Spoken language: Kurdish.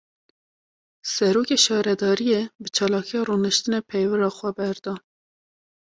Serokê şaredariyê, bi çalakiya rûniştinê peywira xwe berda